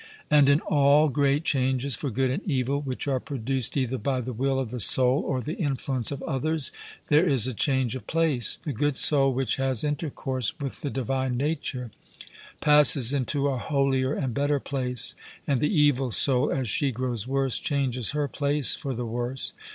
And in all great changes for good and evil which are produced either by the will of the soul or the influence of others, there is a change of place. The good soul, which has intercourse with the divine nature, passes into a holier and better place; and the evil soul, as she grows worse, changes her place for the worse.